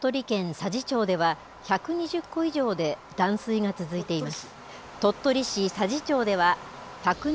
佐治町では、１２０戸以上で断水が続いています。